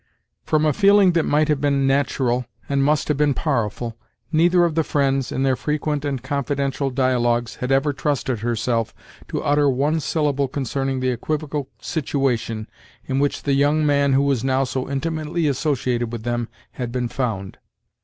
From a feeling that might have been, natural, and must have been powerful, neither of the friends, in their frequent and confidential dialogues, had ever trusted herself to utter one syllable concerning the equivocal situation in which the young man who was now so intimately associated with them had been found.